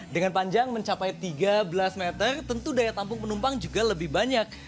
dengan panjang mencapai tiga belas meter tentu daya tampung penumpang juga lebih banyak